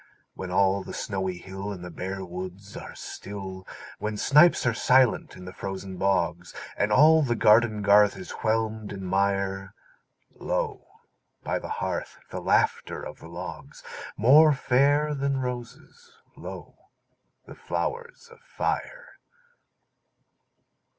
When all the snowy hill And the bare woods are still; When snipes are silent in the frozen bogs, And all the garden garth is whelmed in mire, Lo, by the hearth, the laughter of the logs— More fair than roses, lo, the flowers of fire!